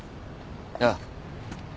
ああ。